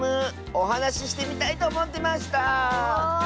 おはなししてみたいとおもってました。